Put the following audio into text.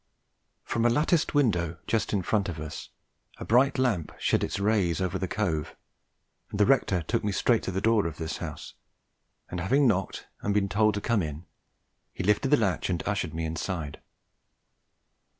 From a latticed window just in front of us a bright lamp shed its rays over the cove, and the rector took me straight to the door of this house, and having knocked and been told to come in, he lifted the latch and ushered me inside.